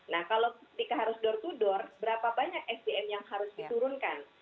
nah kalau ketika harus door to door berapa banyak sdm yang harus diturunkan